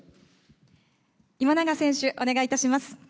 今永選手、お願いいたします。